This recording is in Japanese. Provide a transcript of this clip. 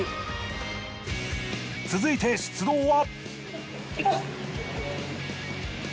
続いて出動は。